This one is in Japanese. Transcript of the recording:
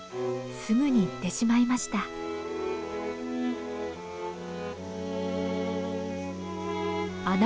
すぐに行ってしまいました。